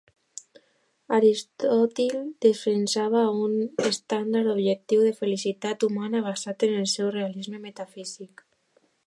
Aristòtil defensava un estàndard objectiu de felicitat humana basat en el seu realisme metafísic.